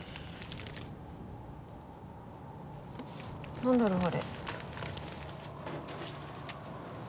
なんだろう？あれ。